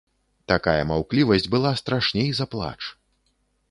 Такая маўклівасць была страшней за плач.